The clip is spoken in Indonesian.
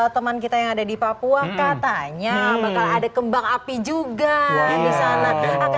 teman kita yang ada di papua katanya bakal ada kembang api juga di sana akan